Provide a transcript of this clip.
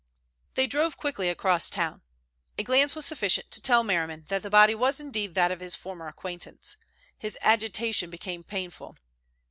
They drove quickly across town. A glance was sufficient to tell Merriman that the body was indeed that of his former acquaintance. His agitation became painful.